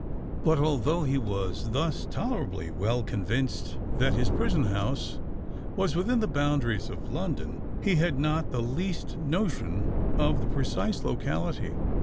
But, although he was thus tolerably well convinced that his prison house was within the boundaries of London, he had not the least notion of the precise locality.